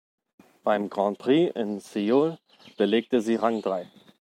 Beim Grand Prix in Seoul belegte sie Rang drei.